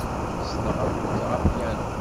Ssneɣ ad wteɣ apyanu.